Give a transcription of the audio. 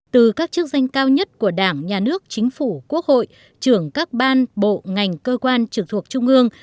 từ các chức danh cao nhất của đảng nhà nước chính phủ quốc hội trưởng các ban bộ ngành cơ quan trực thuộc trung ương